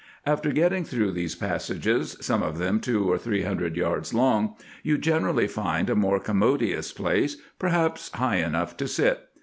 After getting through these passages, some of them two or three hundred yards long, you generally find a more com modious place, perhaps high enough to sit.